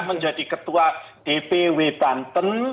menjadi ketua dpw banten